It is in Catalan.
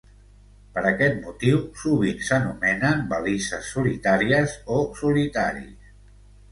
Per aquest motiu, sovint s'anomenen "balises solitàries" o "solitaris".